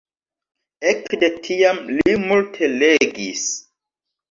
Ekde tiam li multe legis.